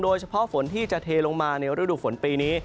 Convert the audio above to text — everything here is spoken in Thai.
โดยเฉพาะฝนที่จะเทลงมาในฤดูฝนปีนี้